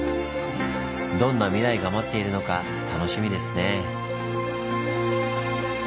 どんな未来が待っているのか楽しみですねぇ。